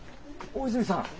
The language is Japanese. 大泉さん。